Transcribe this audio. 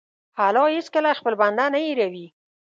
الله هېڅکله خپل بنده نه هېروي.